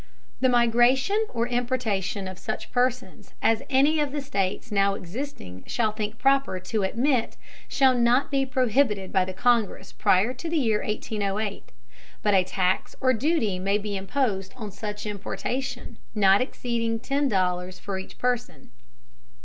The Migration or Importation of such Persons as any of the States now existing shall think proper to admit, shall not be prohibited by the Congress prior to the Year one thousand eight hundred and eight, but a Tax or duty may be imposed on such Importation, not exceeding ten dollars for each Person.